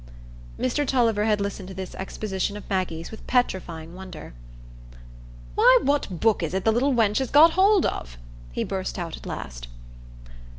Mr Tulliver had listened to this exposition of Maggie's with petrifying wonder. "Why, what book is it the wench has got hold on?" he burst out at last.